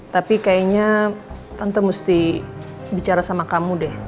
tapi kayaknya tante mesti bicara sama kamu deh